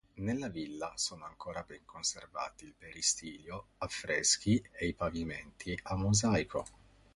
Nella villa sono ancora ben conservati il peristilio, affreschi ed i pavimenti a mosaico.